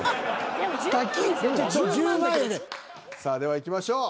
さあではいきましょう。